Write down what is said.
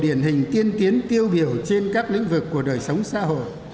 điển hình tiên tiến tiêu biểu trên các lĩnh vực của đời sống xã hội